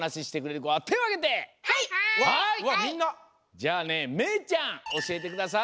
じゃあねめいちゃんおしえてください。